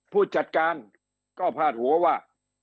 ผู้จัดการก็พาดหัวว่า